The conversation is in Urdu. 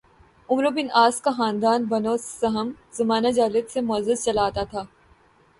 "عمروبن العاص کا خاندان "بنوسہم"زمانہ جاہلیت سے معزز چلا آتا تھا"